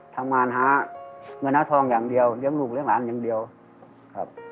ทำงานหาเงินหาทองอย่างเดียวเลี้ยงลูกเลี้ยงหลานอย่างเดียวครับ